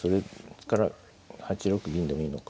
８六銀でもいいのか。